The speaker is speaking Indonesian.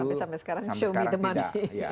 tapi sampai sekarang show the money